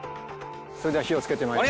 それでは火をつけてまいります